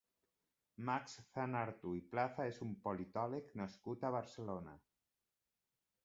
Max Zañartu i Plaza és un politòleg nascut a Barcelona.